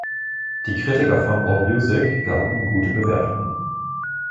Die Kritiker von Allmusic gaben ihm gute Bewertungen.